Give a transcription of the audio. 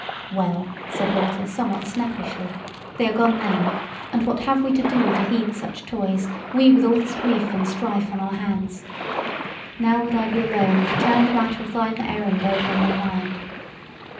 "Well," said Walter, somewhat snappishly, "they are gone now, and what have we to do to heed such toys, we with all this grief and strife on our hands? Now would I be alone to turn the matter of thine errand over in my mind.